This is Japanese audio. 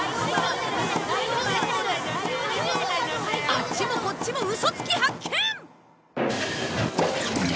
あっちもこっちもウソつき発見！